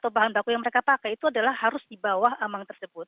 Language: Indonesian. bahan baku yang mereka pakai itu adalah harus di bawah aman tersebut